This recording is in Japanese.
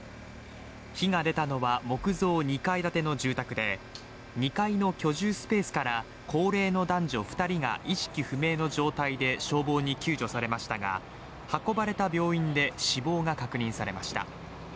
火が出たのは木造２階建ての住宅で２階の居住スペースから高齢の男女２人が意識不明の状態で消防に救助されましたが、運ばれた病院で死亡が確認されました。